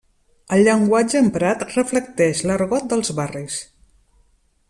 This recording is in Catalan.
El llenguatge emprat reflecteix l'argot dels barris.